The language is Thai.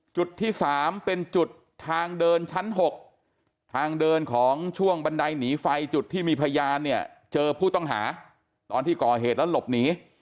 จุดที่๓เป็นจุดทางเดินชั้น๖ทางเดินของช่วงบันไดหนีไฟจุดที่มีพยานเนี่ยเจอผู้ต้องหาตอนที่ก่อเหตุแล้วหลบหนี